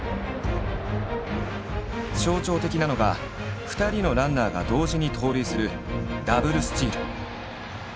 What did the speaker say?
象徴的なのが２人のランナーが同時に盗塁するダブルスチール。